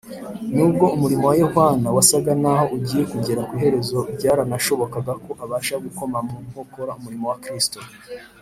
. Nubwo umurimo wa Yohana wasaga naho ugiye kugera kw’iherezo, byaranashobokaga ko abasha gukoma mu nkokora umurimo wa Kristo